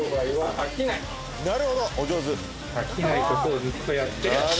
あきないことをずっとやってる。